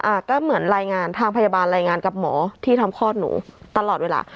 อ่าก็เหมือนรายงานทางพยาบาลรายงานกับหมอที่ทำคลอดหนูตลอดเวลา